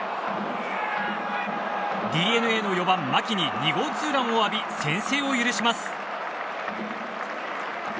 ＤｅＮＡの４番、牧に２号ツーランを浴び先制を許します。